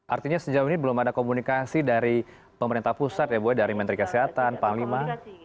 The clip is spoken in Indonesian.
artinya sejauh ini belum ada komunikasi dari pemerintah pusat ya bu dari menteri kesehatan panglima